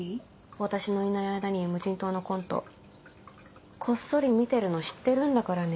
私のいない間に「無人島」のコントこっそり見てるの知ってるんだからね。